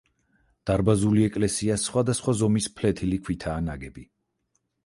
დარბაზული ეკლესია სხვადასხვა ზომის ფლეთილი ქვითაა ნაგები.